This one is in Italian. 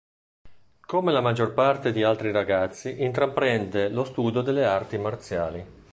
Come la maggior parte di altri ragazzi intraprende lo studio delle arti marziali.